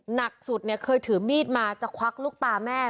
หนักสุดเนี่ยเคยถือมีดมาจะควักลูกตาแม่